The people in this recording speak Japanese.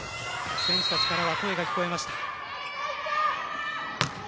選手たちからは声が聞こえました。